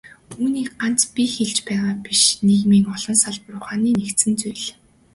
Үүнийг ганц би хэлж байгаа биш, нийгмийн олон салбар ухааны санал нэгдсэн зүйл.